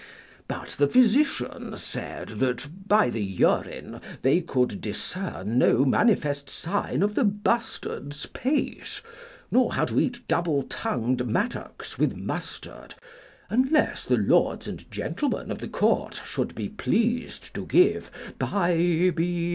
But the physicians said that by the urine they could discern no manifest sign of the bustard's pace, nor how to eat double tongued mattocks with mustard, unless the lords and gentlemen of the court should be pleased to give by B.